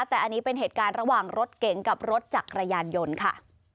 แต่อันนี้เป็นเหตุการณ์ระหว่างรถเก๋งกับรถจักรยานยนต์ค่ะ